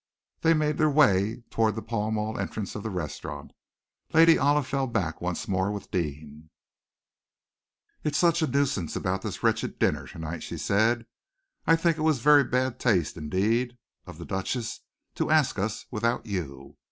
They made their way toward the Pall Mall entrance of the restaurant. Lady Olive fell back once more with Deane. "It's such a nuisance about this wretched dinner to night," she said. "I think it was very bad taste indeed of the Duchess to ask us without you.